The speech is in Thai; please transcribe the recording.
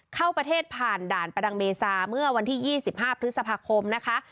เข้าประเทศผ่านด่านประดังเบซาเมื่อวันที่๒๕พฤษภาคมนะคะ